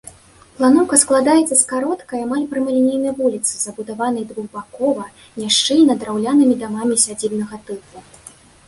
Планоўка складаецца з кароткай, амаль прамалінейнай вуліцы, забудаванай двухбакова, няшчыльна, драўлянымі дамамі сядзібнага тыпу.